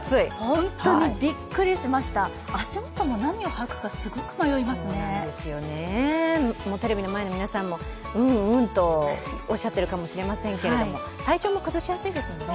本当にびっくりしました足元も何をはくかテレビの前の皆さんもうんうんと、おっしゃっているかもしれませんけれども、体調も崩しやすいですもんね。